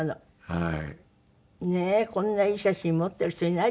はい。